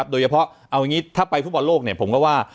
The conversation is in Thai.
โดยเฉพาะเอาอย่างนี้ถ้าไปฟุตบอลโลกผมก็ว่า